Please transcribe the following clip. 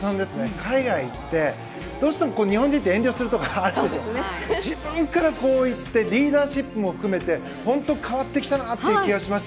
海外にいってどうしても日本人って遠慮するところあるんですけど自分からいってリーダーシップも含めて本当、変わってきたなという気がします。